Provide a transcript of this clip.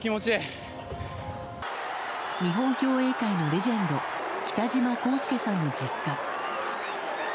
日本競泳界のレジェンド北島康介さんの実家。